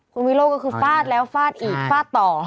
คุณวิโรธก็คือฟาดแล้วฟาดอีกฟาดต่อ